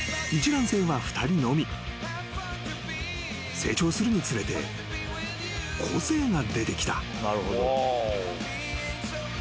［成長するにつれて個性が出てきた］